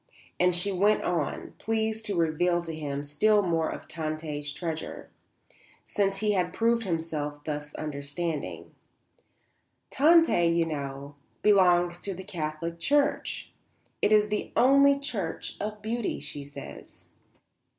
And she went on, pleased to reveal to him still more of Tante's treasure, since he had proved himself thus understanding; "Tante, you know, belongs to the Catholic Church; it is the only church of beauty, she says.